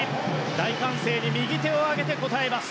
大歓声に右手を上げて応えます。